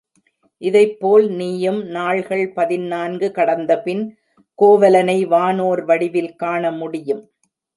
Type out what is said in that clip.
இதைப்போல் நீயும் நாள்கள் பதினான்கு கடந்தபின் கோவலனை வானோர் வடிவில் காண முடியும்.